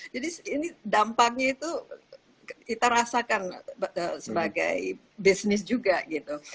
jadi dampaknya itu kita rasakan sebagai bisnis juga gitu